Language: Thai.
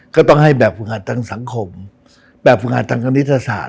ก็ต้องให้แบบฝึงอาจังสังคมแบบฝึงอาจังคณิตศาสตร์